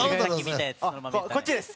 こっちです！